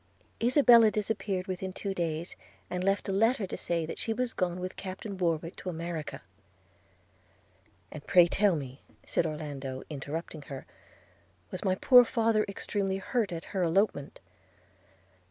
Isabella disappeared within two days, and left a letter to say that she was gone with Captain Warwick to America.' 'And pray tell me,' said Orlando, interrupting her, 'was my poor father extremely hurt at her elopement?'